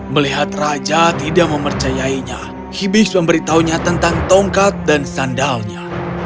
melihat raja tidak mempercayainya hibis memberitahunya tentang tongkat dan sandalnya